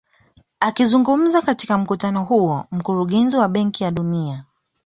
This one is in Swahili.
Akizungumza katika mkutano huo mkurugenzi wa benki ya dunia